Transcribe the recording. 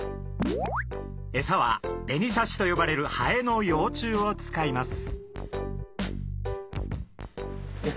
エサは紅サシと呼ばれるハエの幼虫を使います。